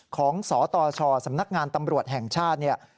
ของสตชสำนักงานตำรวจแห่งชาติ